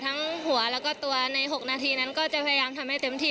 ทั้งหัวแล้วก็ตัวใน๖นาทีนั้นก็จะพยายามทำให้เต็มที่